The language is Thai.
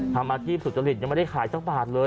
ทำอาชีพสุจริตยังไม่ได้ขายสักบาทเลย